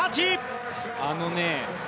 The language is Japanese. あのね。